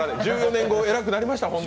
１４年後、偉くなりました。